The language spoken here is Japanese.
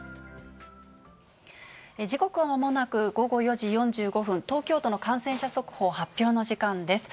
時刻はまもなく午後４時４５分、東京都の感染者速報発表の時間です。